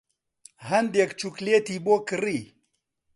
هەندێک چوکلێتی بۆ کڕی.